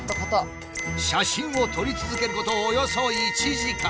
写真を撮り続けることおよそ１時間。